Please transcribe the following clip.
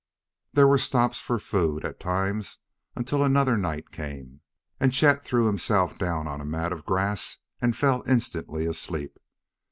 There were stops for food at times until another night came, and Chet threw himself down on a mat of grass and fell instantly asleep.